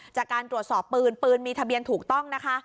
จากการตรวจสอบปืนปืนมีทะเบียนถูกต้องนะคะ